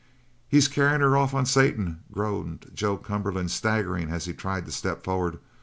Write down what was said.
"He's carryin' her off on Satan!" groaned Joe Cumberland, staggering as he tried to step forward.